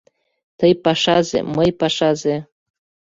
Тый пашазе, мый пашазе.